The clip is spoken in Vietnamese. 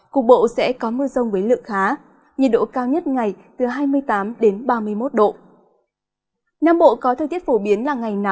cục bộ sẽ có mưa rông với lượng khá